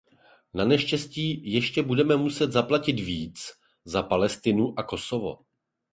Naneštěstí ještě budeme muset zaplatit víc za Palestinu a Kosovo.